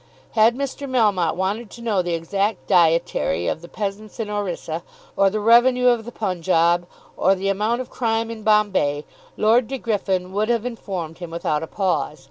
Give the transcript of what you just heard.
Had Mr. Melmotte wanted to know the exact dietary of the peasants in Orissa, or the revenue of the Punjaub, or the amount of crime in Bombay, Lord De Griffin would have informed him without a pause.